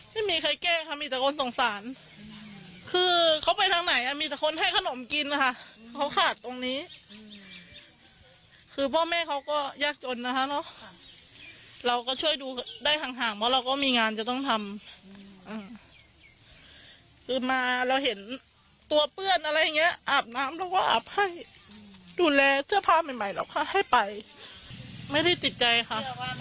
ไม่มีใครแก้ค่ะมีแต่คนสงสารคือเขาไปทางไหนมีแต่คนให้ขนมกินนะคะเขาขาดตรงนี้คือพ่อแม่เขาก็ยากจนนะคะเนอะเราก็ช่วยดูได้ห่างเพราะเราก็มีงานจะต้องทำคือมาเราเห็นตัวเปื้อนอะไรอย่างเงี้อาบน้ำแล้วก็อาบให้ดูแลเสื้อผ้าใหม่หรอกค่ะให้ไปไม่ได้ติดใจค่ะ